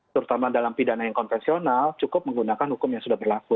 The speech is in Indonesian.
terutama dalam pidana yang konvensional cukup menggunakan hukum yang sudah berlaku